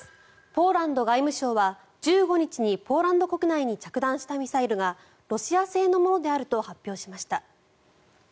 ポーランド外務省は１５日にポーランド国内に着弾したミサイルがロシア製のものであると発表しました。